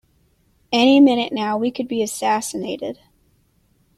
Any minute now we could be assassinated!